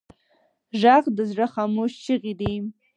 غږ د زړه خاموش چیغې دي